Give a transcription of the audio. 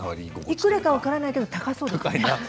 いくらか分からないけれど高そうだなと。